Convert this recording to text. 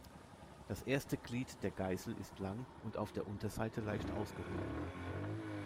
Das erste Glied der Geisel ist lang und auf der Unterseite leicht ausgehöhlt.